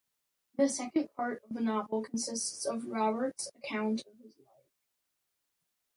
The second part of the novel consists of Robert's account of his life.